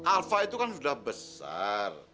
alfa itu kan sudah besar